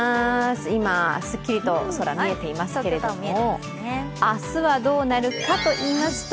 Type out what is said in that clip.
今、すっきりと空、見えておりますけれども明日はどうなるかといいますと